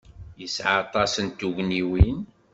Yesɛa aṭas n tugniwin.